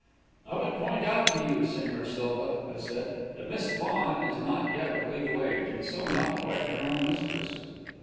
"I would point out to you, Señor Silva," I said, "that Miss Vaughan is not yet of legal age, and so not quite her own mistress."